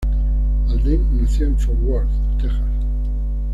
Alden nació en Fort Worth, Texas.